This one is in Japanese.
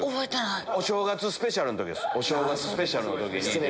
お正月スペシャルの時です。